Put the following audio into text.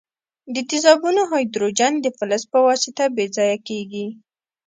د تیزابونو هایدروجن د فلز په واسطه بې ځایه کیږي.